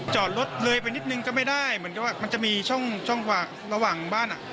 จอดรถเลยไปนิดนึงก็ไม่ได้เหมือนกับว่ามันจะมีช่องระหว่างบ้านอ่ะ